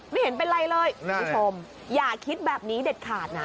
เห็นเป็นไรเลยคุณผู้ชมอย่าคิดแบบนี้เด็ดขาดนะ